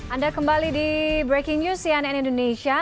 anda kembali di breaking news cnn indonesia